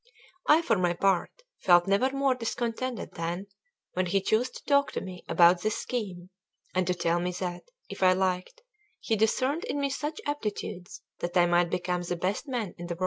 I for my part felt never more discontented than when he chose to talk to me about this scheme, and to tell me that, if I liked, he discerned in me such aptitudes that I might become the best man in the world.